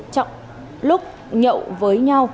trong lúc nhậu với nhau